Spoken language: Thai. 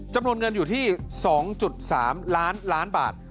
จำนวนเงินอยู่ที่๒๓ล้านล้านบาท